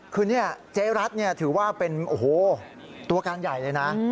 คือเจ๊รัฐถือว่าเป็นตัวการใหญ่เลยนะ